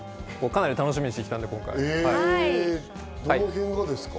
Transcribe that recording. マジで、かなり楽しみにしてきたんで、今回。